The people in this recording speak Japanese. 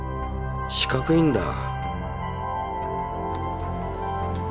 四角いんだ！